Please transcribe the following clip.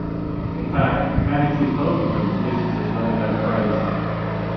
In fact, Haddock sees both of them as nuisances rather than friends.